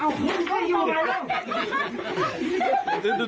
เอ้านี่มันก็อยู่ไหนแล้ว